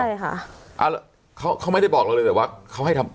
ใช่ค่ะอ่าเขาเขาไม่ได้บอกเราเลยแต่ว่าเขาให้ทำ